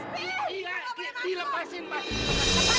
iya dilepasin pak